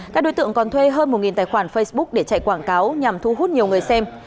các đối tượng còn thuê hơn một tài khoản facebook để chạy quảng cáo nhằm thu hút nhiều người xem